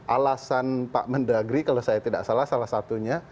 alasan pak mendagri kalau saya tidak salah salah satunya